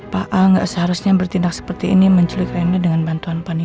pak al gak seharusnya bertindak seperti ini menculik reyna dengan bantuan panino